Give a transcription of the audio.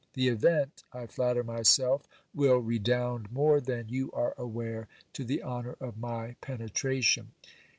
The event, I flatter myself, will redound more than you are aware to the honour of m 7 penetration.